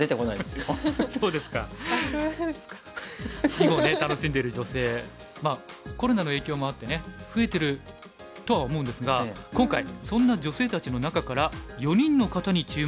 囲碁をね楽しんでる女性コロナの影響もあってね増えてるとは思うんですが今回そんな女性たちの中から４人の方に注目しました。